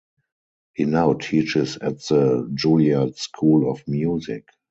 He now teaches at the Juilliard School of Music.